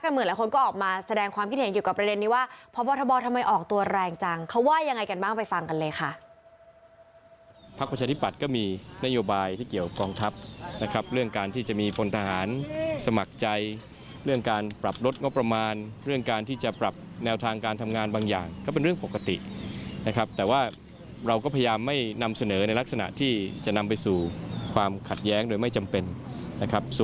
เหมือนหลายคนก็ออกมาแสดงความคิดเห็นเกี่ยวกับประเด็นนี้ว่าพบทบทำไมออกตัวแรงจังเขาว่ายังไงกันบ้างไปฟังกันเลยค่ะ